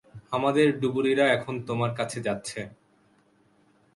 আমাদের ডুবুরিরা এখন তোমার কাছে যাচ্ছে।